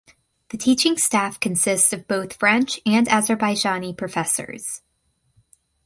The teaching staff consists of both French and Azerbaijani professors.